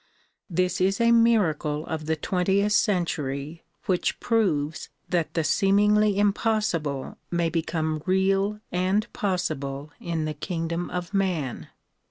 This is a miracle of the twentieth cen tury which proves that the seemingly impossible may become real and possible in the kingdom of man.